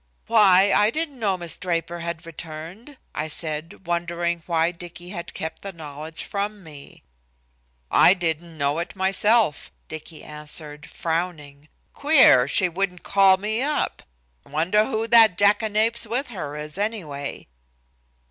"Why! I didn't know Miss Draper had returned," I said, wondering why Dicky had kept the knowledge from me. "I didn't know it myself," Dicky answered, frowning. "Queer, she wouldn't call me up. Wonder who that jackanapes with her is, anyway."